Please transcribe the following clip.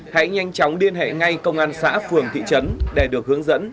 hãy nhanh chóng liên hệ ngay công an xã phường thị trấn để được hướng dẫn